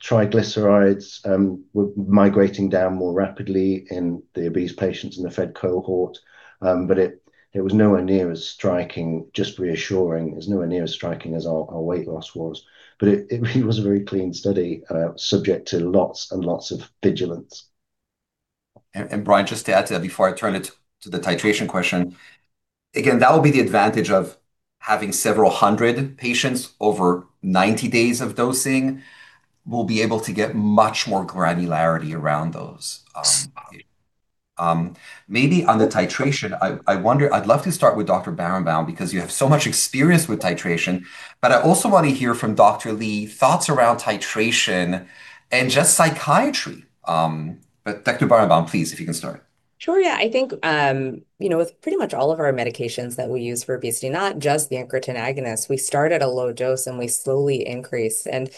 triglycerides were migrating down more rapidly in the obese patients in the Fed cohort, but it was nowhere near as striking, just reassuring. It's nowhere near as striking as our weight loss was, but it was a very clean study subject to lots and lots of vigilance. Brian, just to add to that before I turn it to the titration question, again, that will be the advantage of having several hundred patients over 90 days of dosing. We'll be able to get much more granularity around those. Maybe on the titration, I'd love to start with Dr. Barenbaum because you have so much experience with titration. But I also want to hear from Dr. Lee's thoughts around titration and just psychiatry. But Dr. Barenbaum, please, if you can start. Sure. Yeah. I think with pretty much all of our medications that we use for obesity, not just the incretin agonist, we start at a low dose and we slowly increase. And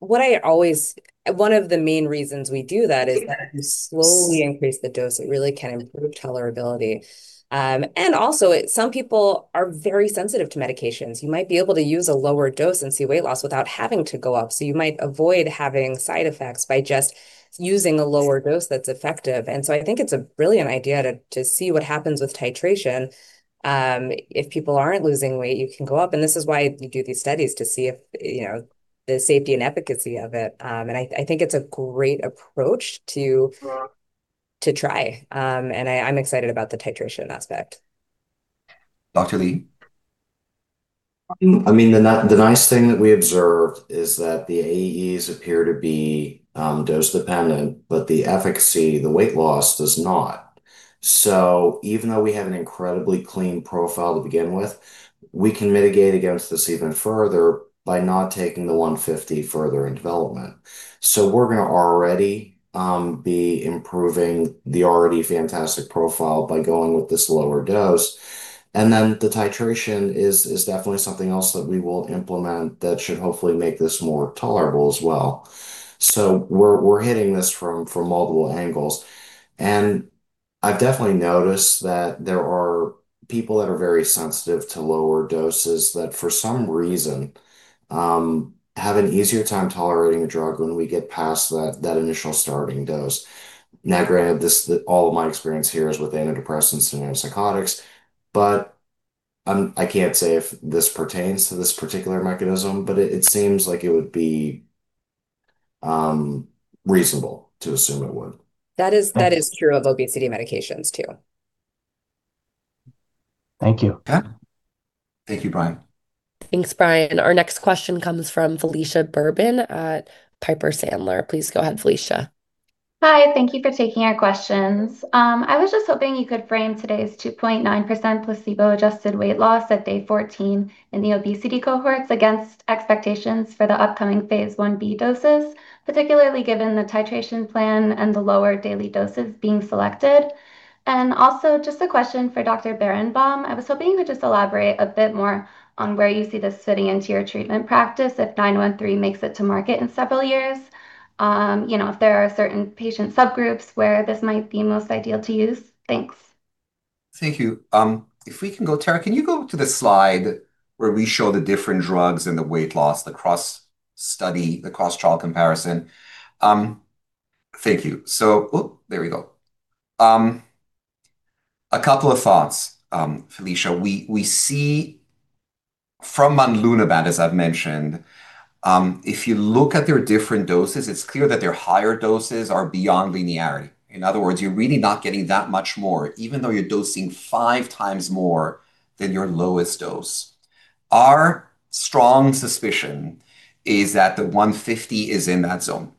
what I always one of the main reasons we do that is that we slowly increase the dose. It really can improve tolerability. And also, some people are very sensitive to medications. You might be able to use a lower dose and see weight loss without having to go up. So you might avoid having side effects by just using a lower dose that's effective. And so I think it's a brilliant idea to see what happens with titration. If people aren't losing weight, you can go up. And this is why you do these studies to see the safety and efficacy of it. And I think it's a great approach to try. And I'm excited about the titration aspect. Dr. Lee? I mean, the nice thing that we observed is that the AEs appear to be dose-dependent, but the efficacy, the weight loss does not. So even though we have an incredibly clean profile to begin with, we can mitigate against this even further by not taking the 150 mg further in development. So we're going to already be improving the already fantastic profile by going with this lower dose. And then the titration is definitely something else that we will implement that should hopefully make this more tolerable as well. So we're hitting this from multiple angles. And I've definitely noticed that there are people that are very sensitive to lower doses that for some reason have an easier time tolerating a drug when we get past that initial starting dose. Now, granted, all of my experience here is with antidepressants and antipsychotics, but I can't say if this pertains to this particular mechanism, but it seems like it would be reasonable to assume it would. That is true of obesity medications too. Thank you. Thank you, Brian. Thanks, Brian. Our next question comes from Felicia Berben at Piper Sandler. Please go ahead, Felicia. Hi. Thank you for taking our questions. I was just hoping you could frame today's 2.9% placebo-adjusted weight loss at day 14 in the obesity cohorts against expectations for the upcoming phase I-B doses, particularly given the titration plan and the lower daily doses being selected, and also just a question for Dr. Barenbaum. I was hoping you could just elaborate a bit more on where you see this fitting into your treatment practice if CRB-913 makes it to market in several years, if there are certain patient subgroups where this might be most ideal to use. Thanks. Thank you. If we can go, Tara, can you go to the slide where we show the different drugs and the weight loss across study, across trial comparison? Thank you, so there we go. A couple of thoughts, Felicia. We see from monlunabant, as I've mentioned, if you look at their different doses, it's clear that their higher doses are beyond linearity. In other words, you're really not getting that much more, even though you're dosing five times more than your lowest dose. Our strong suspicion is that the 150 mg is in that zone.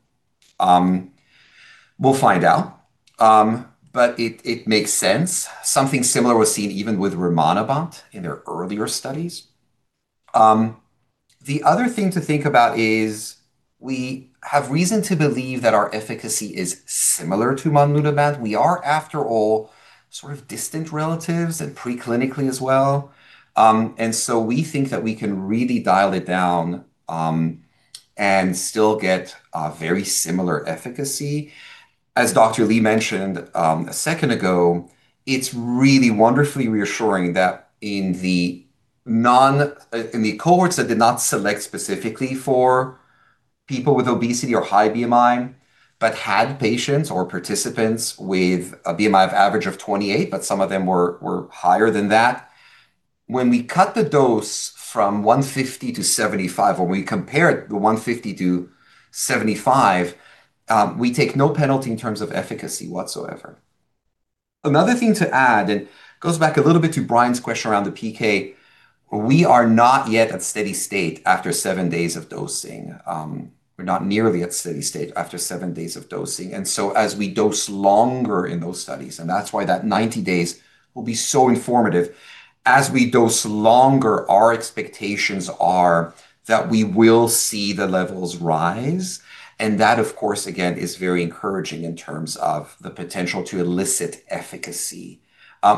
We'll find out. But it makes sense. Something similar was seen even with Rimonabant in their earlier studies. The other thing to think about is we have reason to believe that our efficacy is similar to monlunabant. We are, after all, sort of distant relatives and preclinically as well. And so we think that we can really dial it down and still get very similar efficacy. As Dr. Lee mentioned a second ago. It's really wonderfully reassuring that in the cohorts that did not select specifically for people with obesity or high BMI, but had patients or participants with a BMI of average of 28, but some of them were higher than that, when we cut the dose from 150 mg to 75 mg, when we compared the 150 mg to 75 mg, we take no penalty in terms of efficacy whatsoever. Another thing to add, and it goes back a little bit to Brian's question around the PK, we are not yet at steady state after seven days of dosing. We're not nearly at steady state after seven days of dosing. So as we dose longer in those studies, and that's why that 90 days will be so informative, as we dose longer, our expectations are that we will see the levels rise. And that, of course, again, is very encouraging in terms of the potential to elicit efficacy.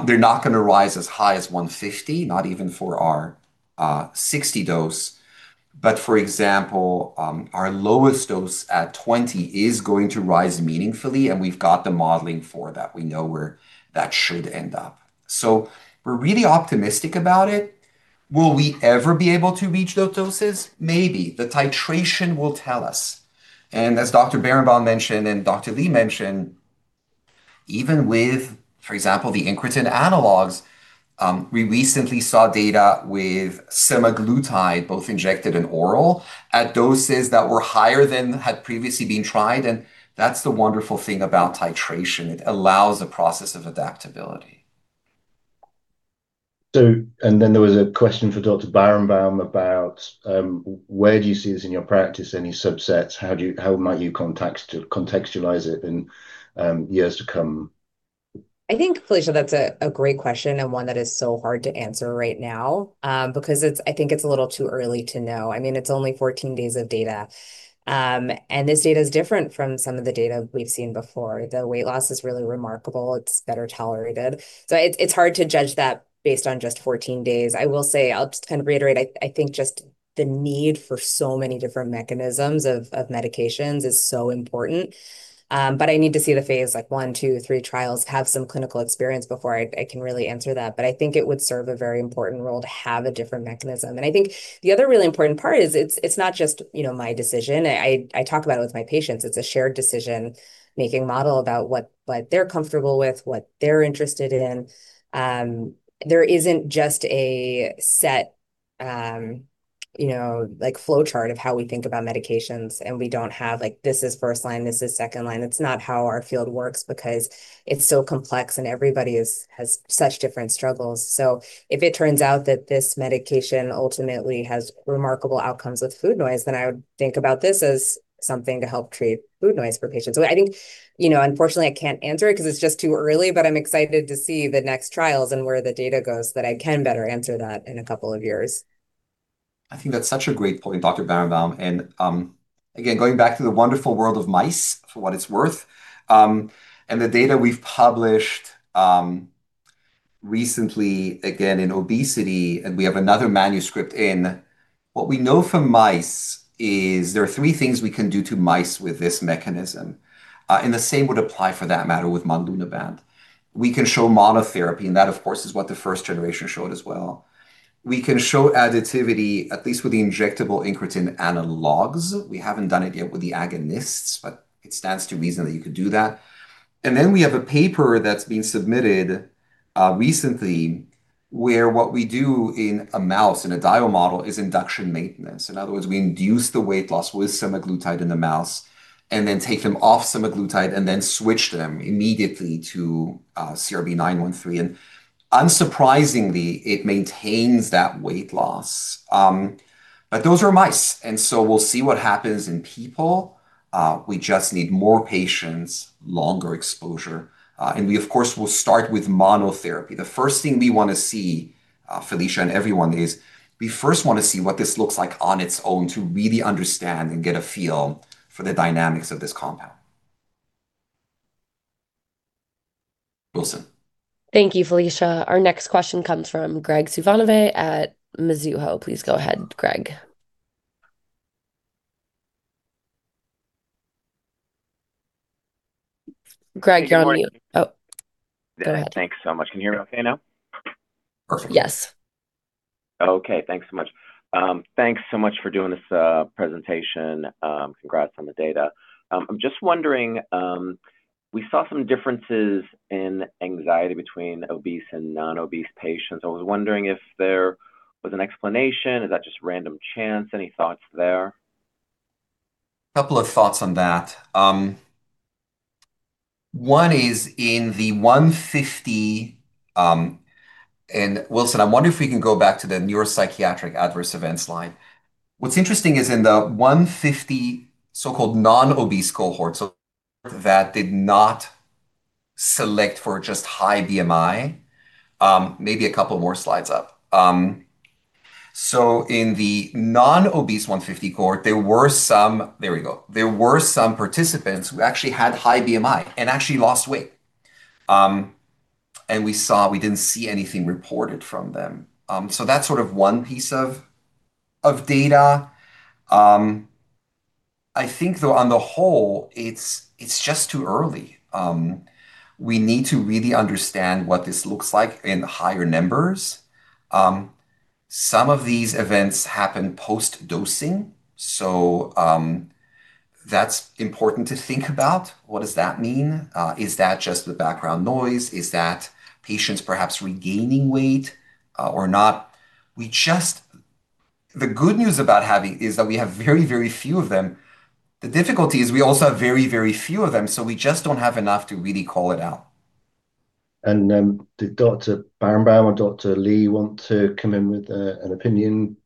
They're not going to rise as high as 150 mg, not even for our 60 mg dose. But for example, our lowest dose at 20 mg is going to rise meaningfully, and we've got the modeling for that. We know where that should end up. So we're really optimistic about it. Will we ever be able to reach those doses? Maybe. The titration will tell us. And as Dr. Barenbaum mentioned and Dr. Lee mentioned, even with, for example, the incretin analogs, we recently saw data with semaglutide, both injected and oral, at doses that were higher than had previously been tried. And that's the wonderful thing about titration. It allows a process of adaptability. And then there was a question for Dr. Barenbaum about where do you see this in your practice, any subsets? How might you contextualize it in years to come? I think, Felicia, that's a great question and one that is so hard to answer right now because I think it's a little too early to know. I mean, it's only 14 days of data. And this data is different from some of the data we've seen before. The weight loss is really remarkable. It's better tolerated. So it's hard to judge that based on just 14 days. I will say, I'll just kind of reiterate. I think just the need for so many different mechanisms of medications is so important. But I need to see the phase I, II, III trials, have some clinical experience before I can really answer that. But I think it would serve a very important role to have a different mechanism. I think the other really important part is it's not just my decision. I talk about it with my patients. It's a shared decision-making model about what they're comfortable with, what they're interested in. There isn't just a set flow chart of how we think about medications, and we don't have like, "This is first line. This is second line." It's not how our field works because it's so complex and everybody has such different struggles. So if it turns out that this medication ultimately has remarkable outcomes with food noise, then I would think about this as something to help treat food noise for patients. So I think, unfortunately, I can't answer it because it's just too early, but I'm excited to see the next trials and where the data goes that I can better answer that in a couple of years. I think that's such a great point, Dr. Barenbaum. And again, going back to the wonderful world of mice, for what it's worth, and the data we've published recently, again, in obesity, and we have another manuscript in, what we know from mice is there are three things we can do to mice with this mechanism. And the same would apply for that matter with monlunabant. We can show monotherapy, and that, of course, is what the first generation showed as well. We can show additivity, at least with the injectable incretin analogs. We haven't done it yet with the agonists, but it stands to reason that you could do that. And then we have a paper that's been submitted recently where what we do in a mouse in a DIO model is induction maintenance. In other words, we induce the weight loss with semaglutide in the mouse and then take them off semaglutide and then switch them immediately to CRB-913. And unsurprisingly, it maintains that weight loss. But those are mice. And so we'll see what happens in people. We just need more patients, longer exposure. And we, of course, will start with monotherapy. The first thing we want to see, Felicia and everyone, is we first want to see what this looks like on its own to really understand and get a feel for the dynamics of this compound. Wilson. Thank you, Felicia. Our next question comes from Graig Suvannavejh at Mizuho. Please go ahead, Graig. Graig, you're on mute. Oh, go ahead. Thanks so much. Can you hear me okay now? Perfect. Yes. Okay. Thanks so much. Thanks so much for doing this presentation. Congrats on the data. I'm just wondering, we saw some differences in anxiety between obese and non-obese patients. I was wondering if there was an explanation. Is that just random chance? Any thoughts there? A couple of thoughts on that. One is in the 150 mg, and Wilson, I wonder if we can go back to the neuropsychiatric adverse events line. What's interesting is in the 150 mg so-called non-obese cohorts that did not select for just high BMI, maybe a couple more slides up. So in the non-obese 150 mg cohort, there were some, there we go. There were some participants who actually had high BMI and actually lost weight. And we saw we didn't see anything reported from them. So that's sort of one piece of data. I think, though, on the whole, it's just too early. We need to really understand what this looks like in higher numbers. Some of these events happen post-dosing. So that's important to think about. What does that mean? Is that just the background noise? Is that patients perhaps regaining weight or not? The good news about having is that we have very, very few of them. The difficulty is we also have very, very few of them. So we just don't have enough to really call it out. And did Dr. Barenbaum or Dr. Lee want to come in with an opinion?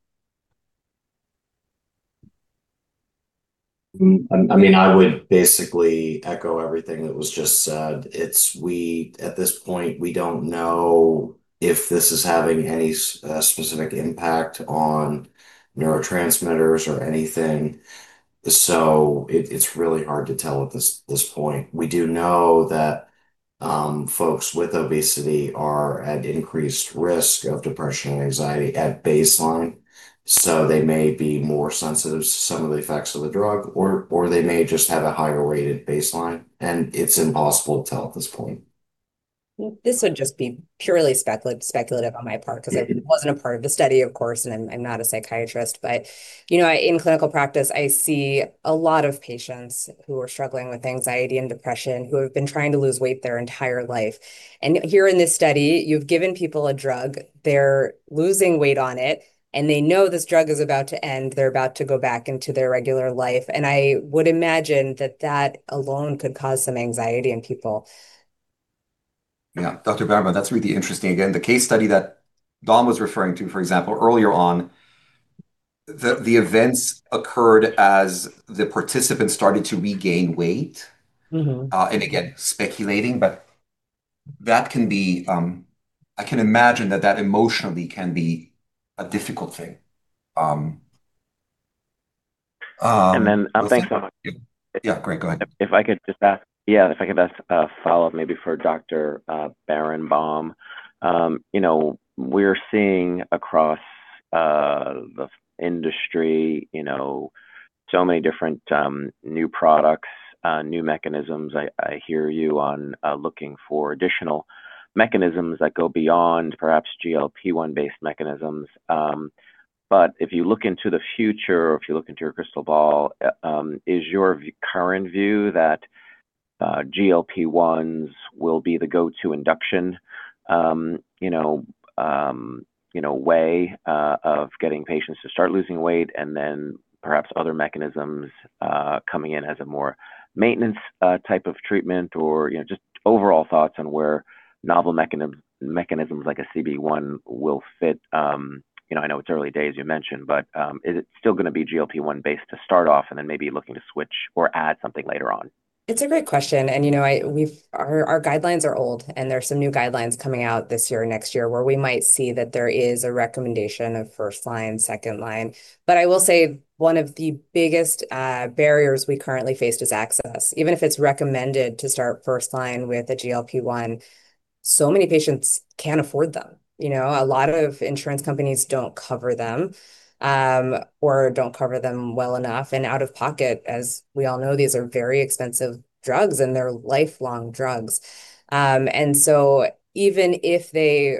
I mean, I would basically echo everything that was just said. At this point, we don't know if this is having any specific impact on neurotransmitters or anything. So it's really hard to tell at this point. We do know that folks with obesity are at increased risk of depression and anxiety at baseline. So they may be more sensitive to some of the effects of the drug, or they may just have a higher rated baseline. And it's impossible to tell at this point. This would just be purely speculative on my part because I wasn't a part of the study, of course, and I'm not a psychiatrist. But in clinical practice, I see a lot of patients who are struggling with anxiety and depression who have been trying to lose weight their entire life. And here in this study, you've given people a drug. They're losing weight on it, and they know this drug is about to end. They're about to go back into their regular life. And I would imagine that that alone could cause some anxiety in people. Yeah. Dr. Barenbaum, that's really interesting. Again, the case study that Dom was referring to, for example, earlier on, the events occurred as the participants started to regain weight. Again, speculating, but that can be. I can imagine that emotionally can be a difficult thing. Then I'm thinking. Yeah, Greg, go ahead. If I could just ask. Yeah, if I could ask a follow-up maybe for Dr. Barenbaum. We're seeing across the industry so many different new products, new mechanisms. I hear you on looking for additional mechanisms that go beyond perhaps GLP-1-based mechanisms, but if you look into the future, if you look into your crystal ball, is your current view that GLP-1s will be the go-to induction way of getting patients to start losing weight, and then perhaps other mechanisms coming in as a more maintenance type of treatment, or just overall thoughts on where novel mechanisms like a CB1 will fit? I know it's early days, you mentioned, but is it still going to be GLP-1-based to start off and then maybe looking to switch or add something later on? It's a great question. And our guidelines are old, and there are some new guidelines coming out this year and next year where we might see that there is a recommendation of first line, second line. But I will say one of the biggest barriers we currently face is access. Even if it's recommended to start first line with a GLP-1, so many patients can't afford them. A lot of insurance companies don't cover them or don't cover them well enough. And out of pocket, as we all know, these are very expensive drugs, and they're lifelong drugs. And so even if they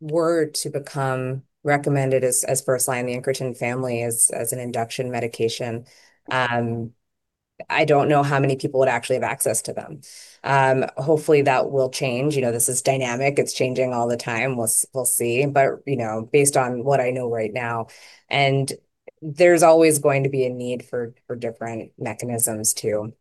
were to become recommended as first line in the incretin family as an induction medication, I don't know how many people would actually have access to them. Hopefully, that will change. This is dynamic. It's changing all the time. We'll see. But based on what I know right now, and there's always going to be a need for different mechanisms too.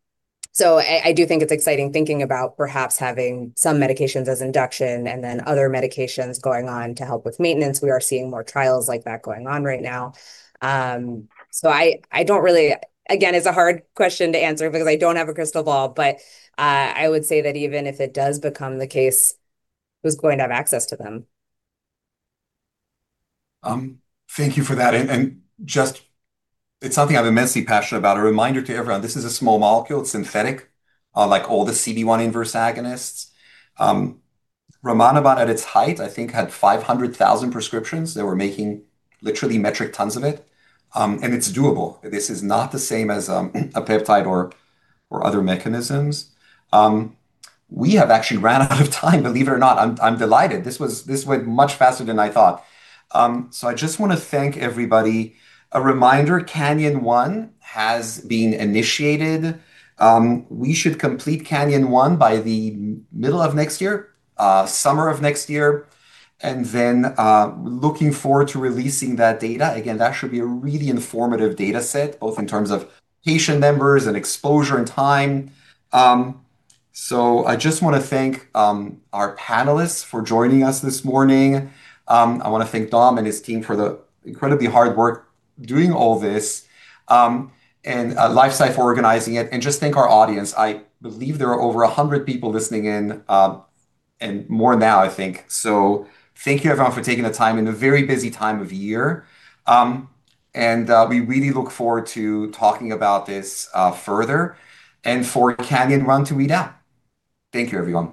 So I do think it's exciting thinking about perhaps having some medications as induction and then other medications going on to help with maintenance. We are seeing more trials like that going on right now. So I don't really, again, it's a hard question to answer because I don't have a crystal ball, but I would say that even if it does become the case, who's going to have access to them? Thank you for that. And just it's something I'm immensely passionate about. A reminder to everyone, this is a small molecule. It's synthetic, like all the CB1 inverse agonists. Rimonabant, at its height, I think, had 500,000 prescriptions. They were making literally metric tons of it. And it's doable. This is not the same as a peptide or other mechanisms. We have actually run out of time, believe it or not. I'm delighted. This went much faster than I thought. So I just want to thank everybody. A reminder, CANYON-1 has been initiated. We should complete CANYON-1 by the middle of next year, summer of next year. And then looking forward to releasing that data. Again, that should be a really informative data set, both in terms of patient numbers and exposure and time. So I just want to thank our panelists for joining us this morning. I want to thank Dom and his team for the incredibly hard work doing all this and LifeSci Advisors organizing it and just thank our audience. I believe there are over 100 people listening in and more now, I think so thank you, everyone, for taking the time in a very busy time of year and we really look forward to talking about this further and for CANYON-1 to be down. Thank you, everyone.